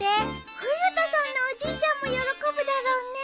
冬田さんのおじいちゃんも喜ぶだろうね。